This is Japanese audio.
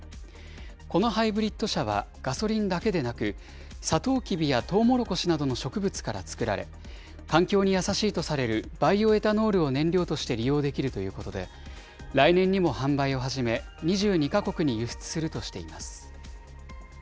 このハイブリッド車はガソリンだけでなく、サトウキビやトウモロコシなどの植物からつくられ、環境に優しいとされるバイオエタノールを燃料として利用できるということで、来年にも販売を始め、２２か国に輸出するとしています。